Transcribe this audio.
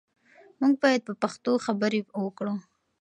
موږ باید په پښتو خبرې وکړو.